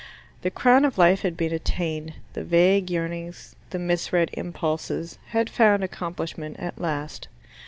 The crown of life had been attained, the vague yearnings, the misread impulses, had found accomplishment at last.